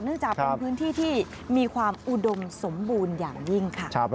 จากเป็นพื้นที่ที่มีความอุดมสมบูรณ์อย่างยิ่งค่ะ